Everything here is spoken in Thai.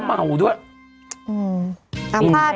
ปุ๊บ